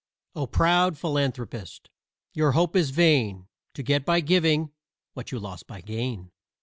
O proud philanthropist, your hope is vain To get by giving what you lost by gain.